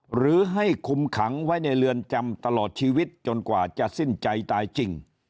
หรือให้คุมขังไว้ในเรือนจำตลอดชีวิตจนกว่าจะสิ้นใจตายจริง